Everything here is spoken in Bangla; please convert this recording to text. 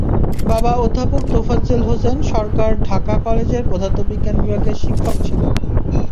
বাবা অধ্যাপক তোফাজ্জল হোসেন সরকার ঢাকা কলেজের পদার্থবিজ্ঞান বিভাগের শিক্ষক ছিলেন।